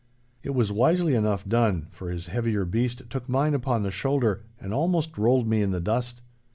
It was wisely enough done, for his heavier beast took mine upon the shoulder and almost rolled me in the dust.